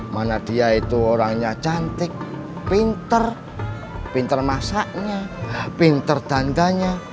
mana dia itu orangnya cantik pinter pinter masaknya pinter bangganya